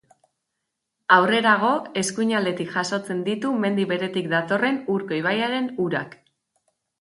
Aurrerago, eskuinaldetik jasotzen ditu mendi beretik datorren Urko ibaiaren urak.